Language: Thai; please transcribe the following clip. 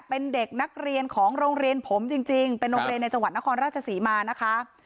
เป็นเด็กนักเรียนของโรงเรียนผมจริงเป็นโรงเรียนในจังหวัดนครราชศรีมานะคะ